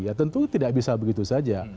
ya tentu tidak bisa begitu saja